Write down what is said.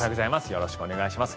よろしくお願いします。